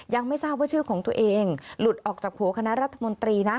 ยังไม่ทราบว่าชื่อของตัวเองหลุดออกจากโผล่คณะรัฐมนตรีนะ